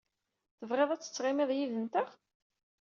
Tebɣid ad tettɣimid yid-nteɣ?